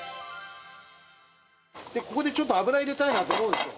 ここでちょっと油入れたいなと思うでしょ？